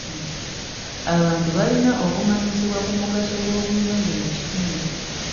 Abantu balina okumanyisibwa ku mugaso gw'obuyonjo mu kitundu.